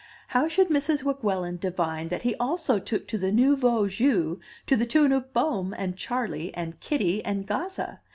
How should Mrs. Weguelin divine that he also took to the nouveau jeu to the tune of Bohm and Charley and Kitty and Gazza?